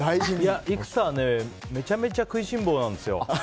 生田は、めちゃめちゃ食いしん坊なんですよ。